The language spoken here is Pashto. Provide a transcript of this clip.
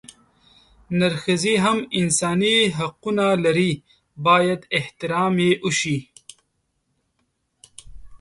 نرښځي هم انساني حقونه لري بايد احترام يې اوشي